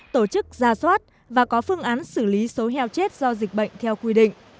tổ chức ra soát và có phương án xử lý số heo chết do dịch bệnh theo quy định